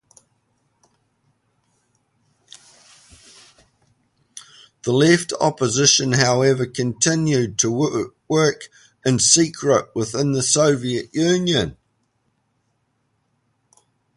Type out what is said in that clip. The Left Opposition, however, continued to work in secret within the Soviet Union.